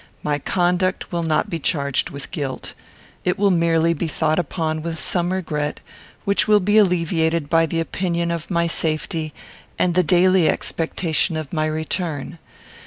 My conduct will not be charged with guilt. It will merely be thought upon with some regret, which will be alleviated by the opinion of my safety, and the daily expectation of my return.